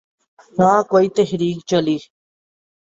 نہ کوئی تحریک چلی۔